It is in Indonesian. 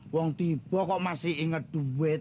uang tiba kok masih inget duit